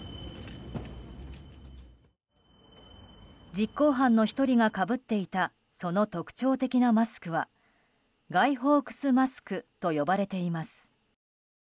実行犯の１人がかぶっていたその特徴的なマスクはガイ・フォークス・マスクと呼ばれています。